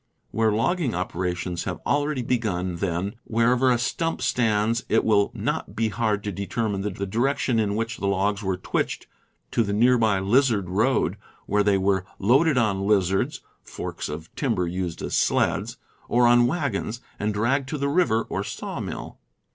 Where logging operations have already begun, then, wherever a stump stands it will not be hard to determine the direction in which the logs were twitched to the nearby "lizard road," where they were loaded on lizards (forks of timber used as sleds), or on wagons, and dragged to the river or saw mill.